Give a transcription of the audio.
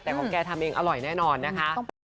แต่ของแกทำเองอร่อยแน่นอนนะคะ